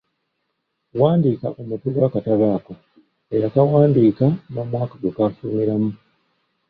Wandiika omutwe gw'akatabo ako, eyakawandiika n'omwaka gwe kaafulumiramu.